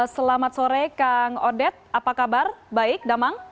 selamat sore kang odet apa kabar baik damang